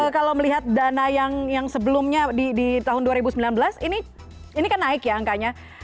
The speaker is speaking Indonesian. kalau melihat dana yang sebelumnya di tahun dua ribu sembilan belas ini kan naik ya angkanya